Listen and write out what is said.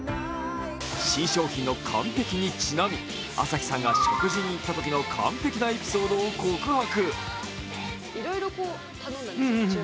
新商品の完璧にちなみ朝日さんが食事に行ったときの完璧エピソードを告白。